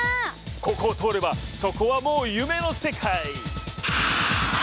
ここを通ればそこはもう夢の世界！